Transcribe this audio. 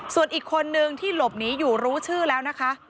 ส่วนอีกคนนึงที่หลบหนีอยู่รู้ชื่อแล้วนะคะ